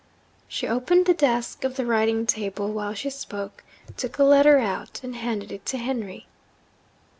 She opened the desk of the writing table while she spoke, took a letter out, and handed it to Henry.